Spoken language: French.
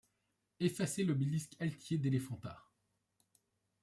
Effaçait l'obélisque altier d'Eléphanta